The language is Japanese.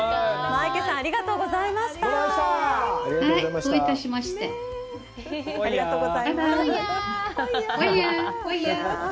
マイケさん、ありがとうございました。